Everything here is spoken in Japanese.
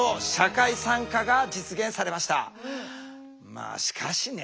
まあしかしね